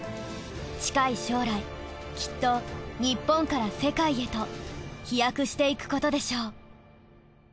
近い将来きっと日本から世界へと飛躍していくことでしょう。